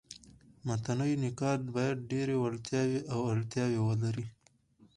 متني نقاد باید ډېري وړتیاوي او اړتیاوي ولري.